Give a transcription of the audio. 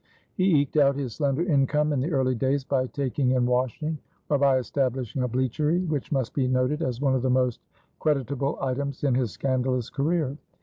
He eked out his slender income in the early days by taking in washing or by establishing a bleachery, which must be noted as one of the most creditable items in his scandalous career.